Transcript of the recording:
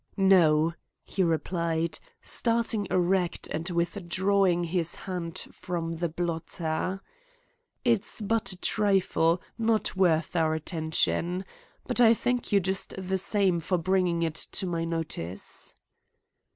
"No," he replied, starting erect and withdrawing his hand from the blotter. "It's but a trifle, not worth our attention. But I thank you just the same for bringing it to my notice."